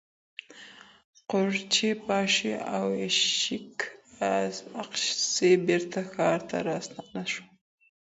قورچي باشي او ایشیک اقاسي بیرته ښار ته راستانه شول.